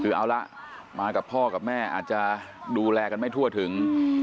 คือเอาละมากับพ่อกับแม่อาจจะดูแลกันไม่ทั่วถึง